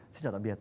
xin chào tạm biệt